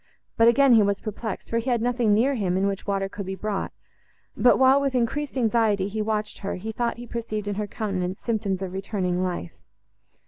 But again he was perplexed, for he had nothing near him, in which water could be brought; but while, with increased anxiety, he watched her, he thought he perceived in her countenance symptoms of returning life.